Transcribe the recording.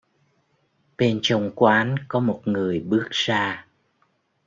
Bên trong quán có một người bước ra